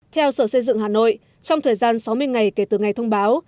theo sở xây dựng hà nội trong thời gian sáu mươi ngày kể từ ngày thông báo